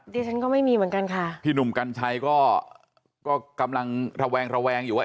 ดิฉันก็ไม่มีเหมือนกันค่ะพี่หนุ่มกัญชัยก็กำลังระแวงระแวงอยู่ว่า